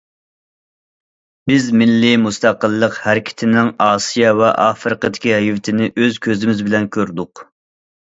بىز مىللىي مۇستەقىللىق ھەرىكىتىنىڭ ئاسىيا ۋە ئافرىقىدىكى ھەيۋىتىنى ئۆز كۆزىمىز بىلەن كۆردۇق.